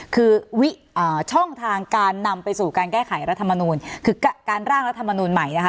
คือช่องทางการนำไปสู่การแก้ไขรัฐมนูลคือการร่างรัฐมนูลใหม่นะคะ